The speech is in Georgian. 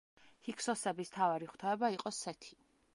ჰიქსოსების მთავარი ღვთაება იყო სეთი.